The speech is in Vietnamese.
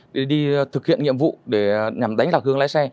để đi thực hiện nhiệm vụ để nhằm đánh lạc hương lái xe